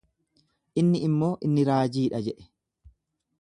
Inni immoo, Inni raajii dha jedhe.